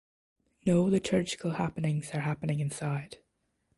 No liturgical happenings are happening inside.